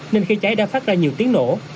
nên khi cháy đã phát ra nhiều tiếng nổ